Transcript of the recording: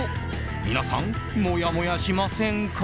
皆さん、もやもやしませんか？